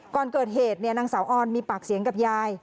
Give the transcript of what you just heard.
ก่อนเกิดเหตุนางสาวออนมีปากเสียงกับยาย